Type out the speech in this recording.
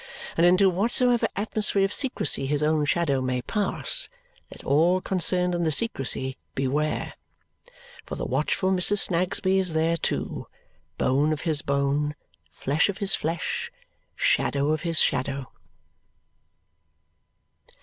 And into whatsoever atmosphere of secrecy his own shadow may pass, let all concerned in the secrecy beware! For the watchful Mrs. Snagsby is there too bone of his bone, flesh of his flesh, shadow of his shadow.